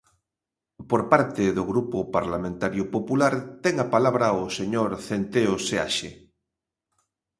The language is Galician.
Por parte do Grupo Parlamentario Popular ten a palabra o señor Centeo Seaxe.